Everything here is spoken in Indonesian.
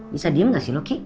bisa diem gak sih lo ki